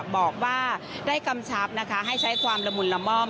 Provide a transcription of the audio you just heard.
บอกว่าได้กำชับนะคะให้ใช้ความละมุนละม่อม